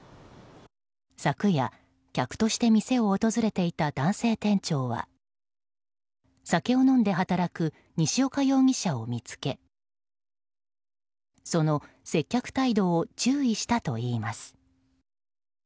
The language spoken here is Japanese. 昨夜、客として店を訪れていた男性店長は酒を飲んで働く西岡容疑者を見つけその接客態度を注意したといいます。